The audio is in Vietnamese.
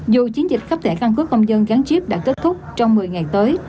dù chiến dịch khắp thẻ căn cứ công dân gắn chip đã kết thúc trong một mươi ngày tới